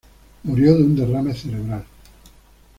Murió de un derrame cerebral.